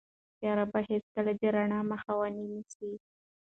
تیاره به هیڅکله د رڼا مخه ونه نیسي.